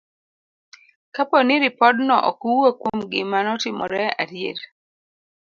Kapo ni ripodno ok wuo kuom gima notimore adier,